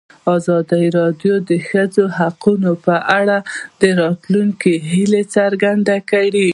ازادي راډیو د د ښځو حقونه په اړه د راتلونکي هیلې څرګندې کړې.